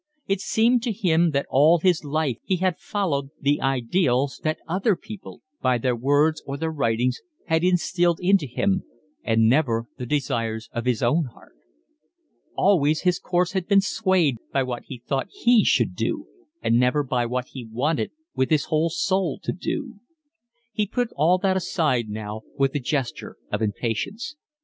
It seemed to him that all his life he had followed the ideals that other people, by their words or their writings, had instilled into him, and never the desires of his own heart. Always his course had been swayed by what he thought he should do and never by what he wanted with his whole soul to do. He put all that aside now with a gesture of impatience.